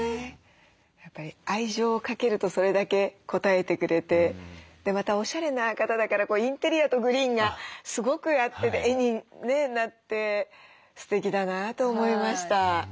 やっぱり愛情をかけるとそれだけ応えてくれてまたおしゃれな方だからインテリアとグリーンがすごく合って絵になってすてきだなと思いました。